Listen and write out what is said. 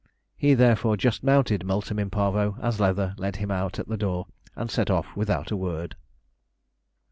He, therefore, just mounted Multum in Parvo as Leather led him out at the door, and set off without a word.